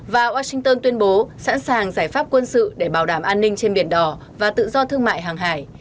và washington tuyên bố sẵn sàng giải pháp quân sự để bảo đảm an ninh trên biển đỏ và tự do thương mại hàng hải